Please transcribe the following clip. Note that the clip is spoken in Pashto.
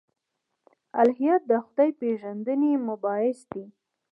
الهیات د خدای پېژندنې مباحث دي.